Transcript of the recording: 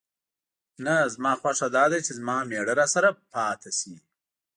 نه، زما خوښه دا ده چې زما مېړه راسره پاتې شي.